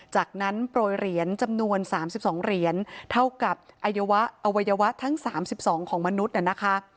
จากนั้นโปรยเหรียญจำนวน๓๒เหรียญเท่ากับอวัยวะทั้ง๓๒ของมนุษย์นะคะ